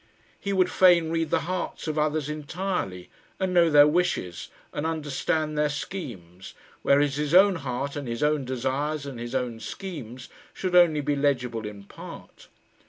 He would fain read the hearts of others entirely, and know their wishes, and understand their schemes, whereas his own heart and his own desires and his own schemes should only be legible in part.